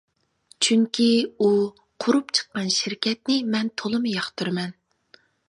چۈنكى ئۇ قۇرۇپ چىققان شىركەتنى مەن تولىمۇ ياقتۇرىمەن.